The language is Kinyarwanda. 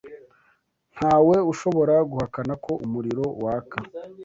Ntawe ushobora guhakana ko umuriro waka.